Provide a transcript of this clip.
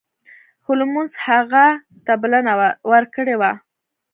هولمز هغه ته بلنه ورکړې وه.